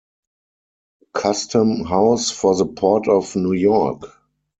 Custom House for the Port of New York.